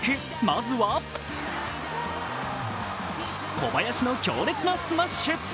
まずは小林の強烈なスマッシュ。